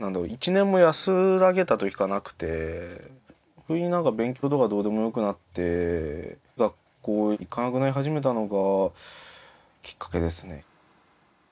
１年も安らげたときがなくてふいになんか勉強とかどうでもよくなって学校に行かなくなり始めたのがきっかけですね。